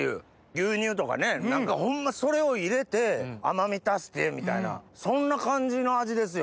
牛乳とかねホンマそれを入れて甘み足してみたいなそんな感じの味ですよ。